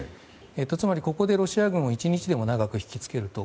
つまり、ここでロシア軍を１日でも長く引き付けると。